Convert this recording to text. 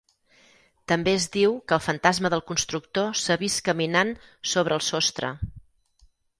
També es diu que el fantasma del constructor s'ha vist caminant sobre el sostre.